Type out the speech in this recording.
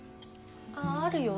ああるよ。